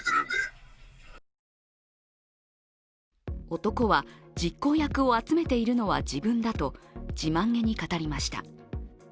男は、実行役を集めているのは自分だと自慢げに語りました。